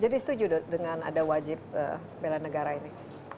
jadi setuju dengan ada wajib bela negara ini